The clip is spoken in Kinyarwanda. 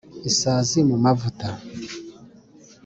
isazi mu mavuta.